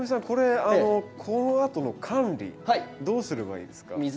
これこのあとの管理どうすればいいですか？